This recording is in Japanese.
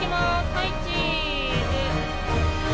はいチーズ。